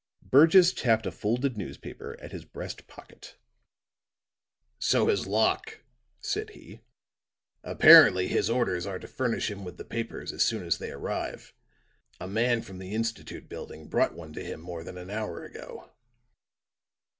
Burgess tapped a folded newspaper at his breast pocket. "So has Locke," said he. "Apparently his orders are to furnish him with the papers as soon as they arrive. A man from the Institute building brought one to him more than an hour ago."